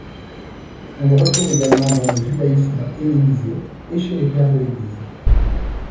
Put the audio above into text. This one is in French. On les retrouve également dans le judaïsme hellénisé et chez les Pères de l'Église.